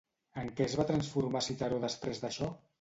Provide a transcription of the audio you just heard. En què es va transformar Citeró després d'això?